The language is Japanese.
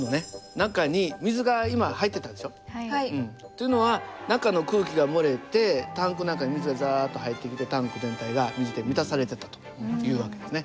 中に水が今入ってたでしょ？というのは中の空気が漏れてタンクの中に水がザッと入ってきてタンク全体が水で満たされてたという訳ですね。